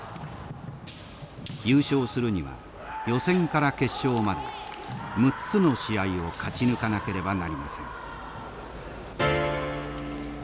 優勝するには予選から決勝まで６つの試合を勝ち抜かなければなりません。